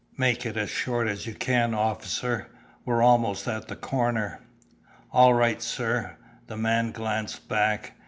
"Make it as short as you can, officer; we're almost at the corner." "All right, sir." The man glanced back.